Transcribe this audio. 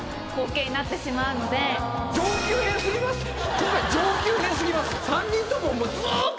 今回上級編すぎます。